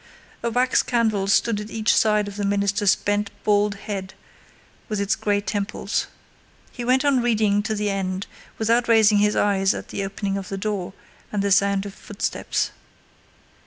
A wax candle stood at each side of the minister's bent bald head with its gray temples. He went on reading to the end, without raising his eyes at the opening of the door and the sound of footsteps.